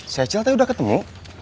saya cilta udah ketemu